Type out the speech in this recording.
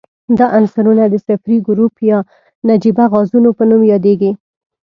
دا عنصرونه د صفري ګروپ یا نجیبه غازونو په نوم یادیږي.